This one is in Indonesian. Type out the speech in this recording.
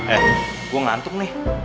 eh gue ngantuk nih